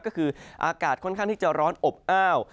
ก็คืออากาศค่อนข้างที่จะร้อนอบอ้าว